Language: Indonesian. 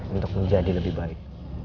untuk menjadi lebih baik